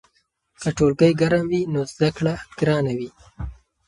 که ټولګی ګرم وي نو زده کړه ګرانه وي.